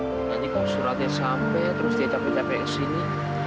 aku nanti kalau suratnya sampai terus dia capek capek ke sini